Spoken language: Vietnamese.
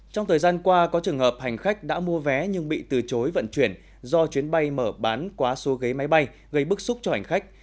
trong thời gian qua có trường hợp hành khách đã mua vé nhưng bị từ chối vận chuyển do chuyến bay mở bán quá số ghế máy bay gây bức xúc cho hành khách